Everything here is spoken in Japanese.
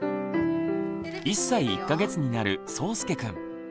１歳１か月になるそうすけくん。